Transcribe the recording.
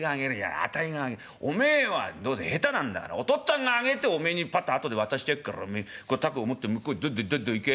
あたいがおめえはどうせ下手なんだからお父っつぁんが揚げておめえにパッと後で渡してやっから凧を持って向こうにどんどんどんどん行け。